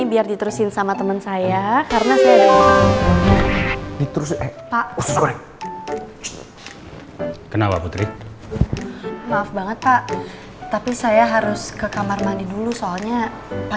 jadi kerjaan saya digantiin sama pangeran dulu ya pak